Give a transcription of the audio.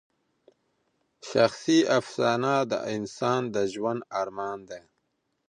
شخصي افسانه د انسان د ژوند ارمان دی.